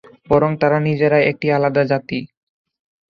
বরং তারা নিজেরাই এক একটি আলাদা জাতি।